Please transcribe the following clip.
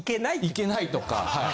行けないとか。